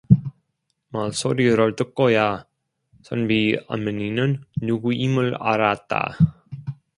말소리를 듣고야 선비 어머니는 누구임을 알았다.